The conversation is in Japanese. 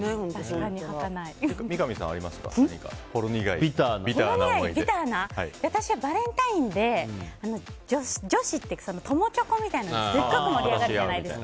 何か私、バレンタインで女子って、友チョコみたいなのですごく盛り上がるじゃないですか。